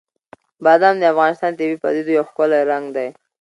بادام د افغانستان د طبیعي پدیدو یو ښکلی رنګ دی.